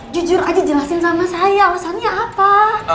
jujur aja jelasin sama saya alasannya apa